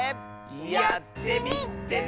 やってみてね！